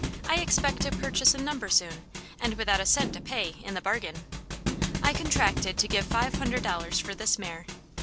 "I expect to purchase a number soon, and without a cent to pay, in the bargain. I contracted to give five hundred dollars for this mare.